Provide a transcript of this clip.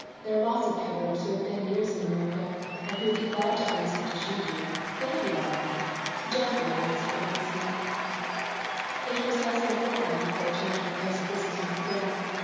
There are lots of peddlers who have been years in America and who would be glad to earn as much as you do. It'll be all right. Don't worry, Mr. Levinsky." It was less than a fortnight before I changed my place of business once again.